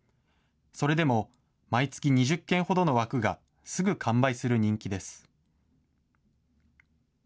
それでも毎月２０件ほどの枠がすぐ完売する人気です。